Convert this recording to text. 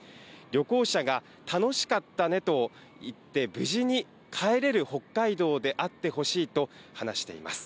旅行者が楽しかったねと言って、無事に帰れる北海道であってほしいと、話しています。